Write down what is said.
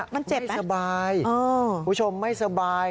มันเจ็บไหมอ้อคุณผู้ชมไหมไม่สบาย